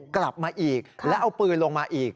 กลับมาอีกแล้วเอาปืนลงมาอีก